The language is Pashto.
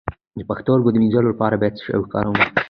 د پښتورګو د مینځلو لپاره باید څه شی وکاروم؟